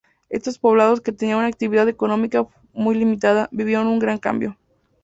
Estos poblados que tenían una actividad económica muy limitada, vivieron un gran cambio.